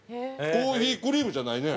コーヒークリームじゃないね。